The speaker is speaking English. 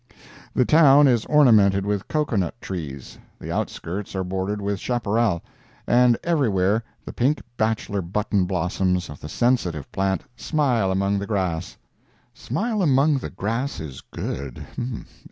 The town is ornamented with cocoa nut trees, the outskirts are bordered with chaparral, and everywhere the pink bachelor button blossoms of the sensitive plant smile among the grass. [Smile among the grass is good.